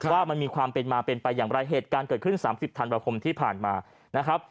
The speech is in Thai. ว่ามันมีความเป็นมาเป็นไปอย่างไรเหตุการณ์เกิดขึ้น๓๐ธันวาคมที่ผ่านมานะครับ